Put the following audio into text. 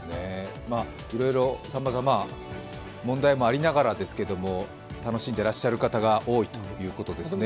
いろいろ、さまざま、問題もありながらですけども、楽しんでいらっしゃる方が多いということですね。